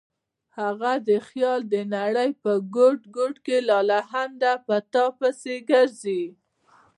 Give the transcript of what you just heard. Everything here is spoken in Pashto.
هغه د خیال د نړۍ په ګوټ ګوټ کې لالهانده په تا پسې ګرځي.